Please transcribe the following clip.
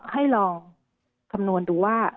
ให้ลองคำนวณดูว่า